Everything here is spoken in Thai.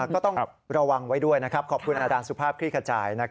ก็ต้องระวังไว้ด้วยนะครับขอบคุณอาจารย์สุภาพคลี่ขจาย